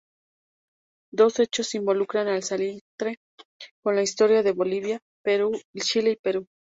Dos hechos involucran al salitre con la historia de Bolivia, Chile y Perú.